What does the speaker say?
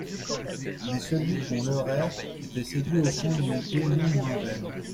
Mais celui qu'on leurrait, était séduit au fond d'une idée non moins vaine.